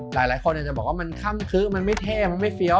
หลายคนอาจจะบอกว่ามันค่ำคือมันไม่เท่มันไม่เฟี้ยว